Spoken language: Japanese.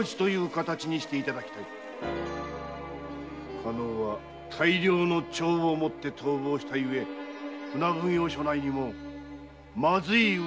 加納は大量の帳簿を持って逃亡したゆえ船奉行所内にもまずい噂が出始めております。